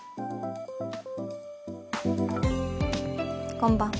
こんばんは。